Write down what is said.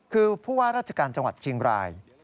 คือผู้ว่าราชการจังหวัดเชียงราย